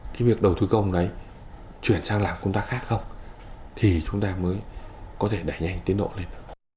cái việc đầu tư công đấy chuyển sang làm công tác khác không thì chúng ta mới có thể đẩy nhanh tiến độ lên